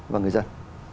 và người dân